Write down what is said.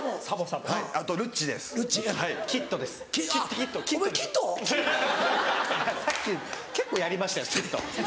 さっき結構やりましたよキッド。